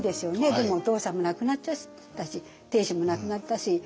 でもお父さんも亡くなっちゃったし定子も亡くなったし。